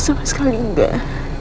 sama sekali enggak